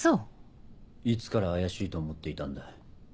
いつから怪しいと思っていたんだ。